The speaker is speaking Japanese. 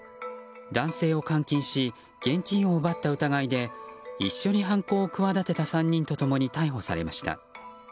男性を監禁し現金を奪った疑いで一緒に犯行を企てた３人と共に逮捕されました。